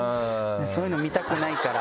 そういうのを見たくないから。